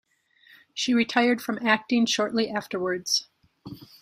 She retired from acting shortly afterwards.